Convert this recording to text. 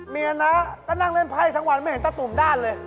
เมียนะก็นั่งเล่นไพ่ทั้งวันไม่เห็นตะตุ่มด้านเลย